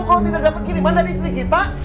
kalo tidak dapet kiriman dari istri kita